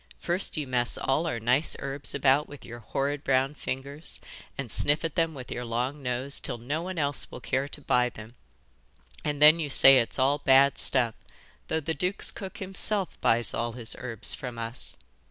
'First you mess all our nice herbs about with your horrid brown fingers and sniff at them with your long nose till no one else will care to buy them, and then you say it's all bad stuff, though the duke's cook himself buys all his herbs from us.